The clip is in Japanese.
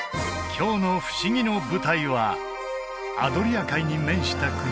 今日のふしぎの舞台はアドリア海に面した国